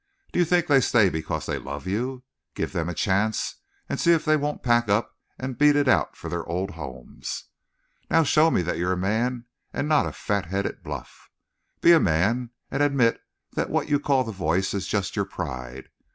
Do you think they stay because they love you? Give them a chance and see if they won't pack up and beat it for their old homes. "Now, show me that you're a man and not a fatheaded bluff. Be a man and admit that what you call the Voice is just your pride.